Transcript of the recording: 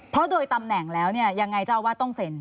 เพราะโดยตำแหน่งแล้วเนี่ยยังไงเจ้าอาวาสต้องเซ็น